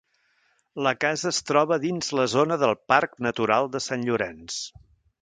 La casa es troba dins la zona del Parc Natural de Sant Llorenç.